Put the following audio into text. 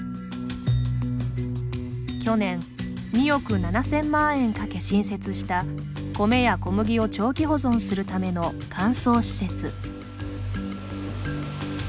去年、２億７０００万円かけ新設した米や小麦を長期保存するための乾燥施設。